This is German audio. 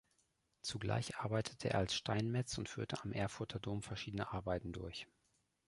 Zugleich arbeitete er als Steinmetz und führte am Erfurter Dom verschiedene Arbeiten durch.